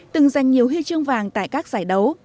từng giành nhiều huy chương vàng tại các giải đấu